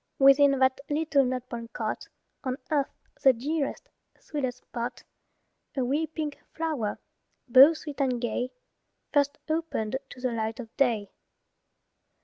Within that little nut brown cot, On earth the dearest, sweetest spot, A wee pink flower, both sweet and gay, First opened to the light of day.